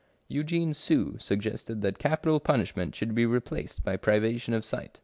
Eugene Sue suggested that capital punishment should be replaced by privation of sight.